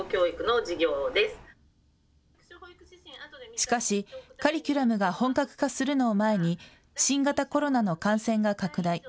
しかし、カリキュラムが本格化するのを前に新型コロナの感染が拡大。